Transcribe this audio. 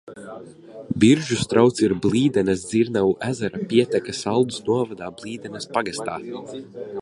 Biržu strauts ir Blīdenes dzirnavu ezera pieteka Saldus novada Blīdenes pagastā.